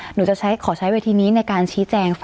หนูจะขอใช้เวทีนี้ในการชี้แจง